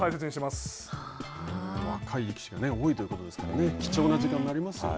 若い力士が多いということですから貴重な時間になりますよね。